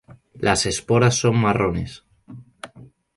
Las esporas son marrones